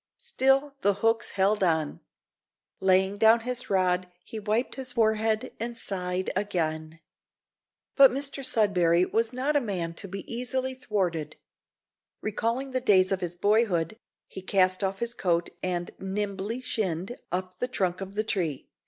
Still the hooks held on. Laying down his rod, he wiped his forehead and sighed again. But Mr Sudberry was not a man to be easily thwarted. Recalling the days of his boyhood, he cast off his coat and nimbly shinned up the trunk of the tree.